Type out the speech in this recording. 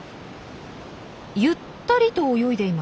ゆったりと泳いでいます。